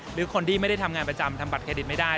หรือคนที่ไม่ได้ทำงานประจำทำบัตรเครดิตไม่ได้